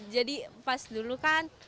jadi pas dulu kan